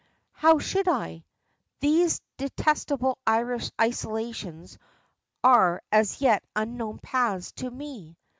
"How should I? These detestable Irish isolations are as yet unknown paths to me."